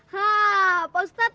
hah pak ustaz